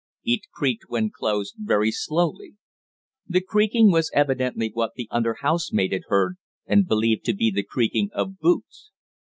It creaked when closed very slowly. The creaking was evidently what the under housemaid had heard and believed to be the creaking of boots.